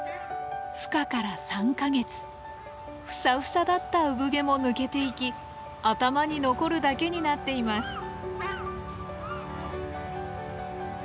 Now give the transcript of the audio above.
ふさふさだった産毛も抜けていき頭に残るだけになっています。